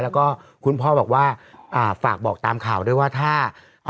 แล้วก็คุณพ่อบอกว่าอ่าฝากบอกตามข่าวด้วยว่าถ้า